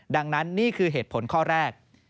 ดังนั้นนี่คือเหตุผลข้อแรก